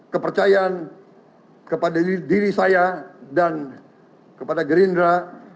kepercayaan kepada diri saya dan kepada gerindra